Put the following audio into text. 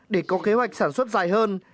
để có kế hoạch sản xuất dài hơn